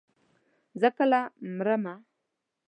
زه کله مرمه.